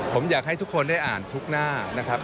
ผมอยากให้ทุกคนได้อ่านทุกหน้านะครับ